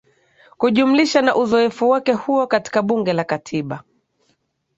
Kujumlisha na uzoefu wake huo katika Bunge la Katiba